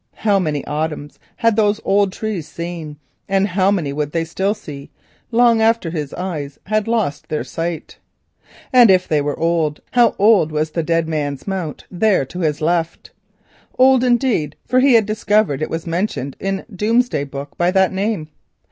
How many autumns had those old trees seen, and how many would they still see, long after his eyes had lost their sight! And if they were old, how old was Dead Man's Mount there to his left! Old, indeed! for he had discovered it was mentioned in Doomday Book and by that name.